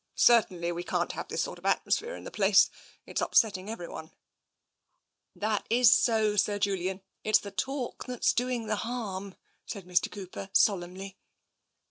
Certainly we can't have this sort of atmosphere in the place. It's up setting everyone." " That is so, Sir Julian. It's the talk that's doing the harm," said Mr. Cooper solemnly.